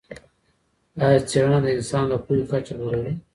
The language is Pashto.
ایا څېړنه د انسان د پوهې کچه لوړوي؟